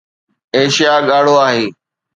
Asia ڳاڙهو آهي.